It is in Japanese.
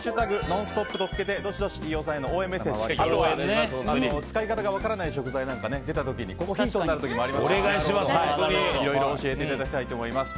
「＃ノンストップ」とつけてどしどし飯尾さんへの応援メッセージやあとは、使い方が分からない食材が出たときヒントになる時もありますからいろいろ教えていただきたいと思います。